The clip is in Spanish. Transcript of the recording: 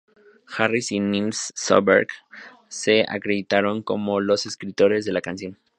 Harris y Nils Sjöberg se acreditaron como los escritores de la canción.